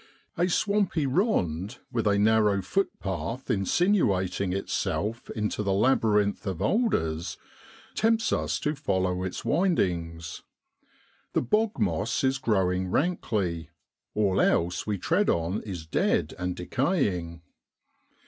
A swampy rond, with a narrow footpath insinuating itself into the labyrinth of alders, tempts us to follow its windings. The bog moss is growing rankly, all else we tread on is dead and decaying.